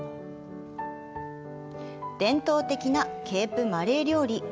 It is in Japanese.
伝統的なケープマレー料理。